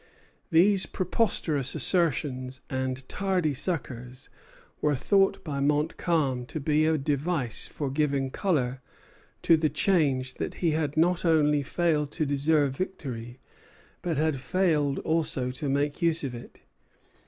These preposterous assertions and tardy succors were thought by Montcalm to be a device for giving color to the charge that he had not only failed to deserve victory, but had failed also to make use of it.